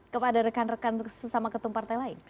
kepada rekan rekan sesama ketum partai lain